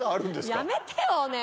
やめてよねえ。